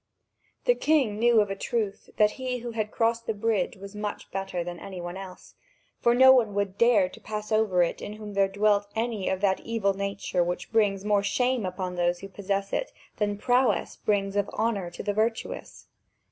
The king knew of a truth that he who had crossed the bridge was much better than any one else. For no one would dare to pass over it in whom there dwelt any of that evil nature which brings more shame upon those who possess it than prowess brings of honour to the virtuous.